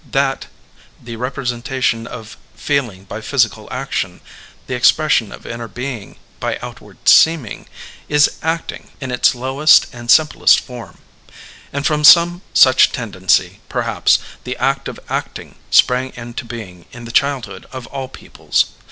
That — ^the representation of feel ing by physical action, the expression of inner being by outward seeming — ^is acting in its lowest and sim plest form. And from some such tendency, perhaps, the art of acting sprang into being in the childhood of all peoples.